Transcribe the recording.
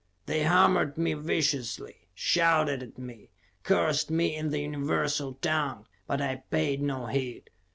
They hammered me viciously, shouted at me, cursed me in the universal tongue, but I paid no heed.